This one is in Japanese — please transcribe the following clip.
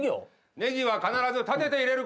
ネギは必ず立てて入れる事。